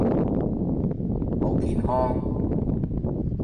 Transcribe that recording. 好健康！